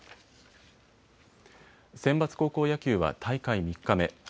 センバツ高校野球は大会３日目。